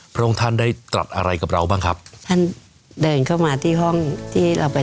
พระองค์ท่านได้ตรัสอะไรกับเราบ้างครับท่านเดินเข้ามาที่ห้องที่เราไป